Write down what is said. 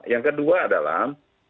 yang kedua adalah